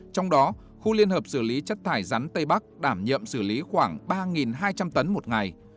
trong đó khu liên hợp xử lý chất thải rắn tây bắc đảm nhiệm xử lý khoảng ba hai trăm linh tấn một ngày